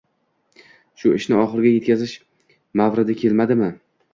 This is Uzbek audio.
Shu ishni oxiriga yetkazish mavridi kelmadimi?